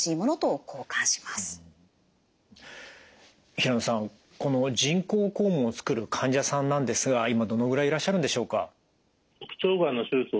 平能さんこの人工肛門をつける患者さんなんですが今どのぐらいいらっしゃるんでしょうか？